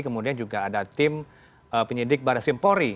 kemudian juga ada tim penyidik barasimpolri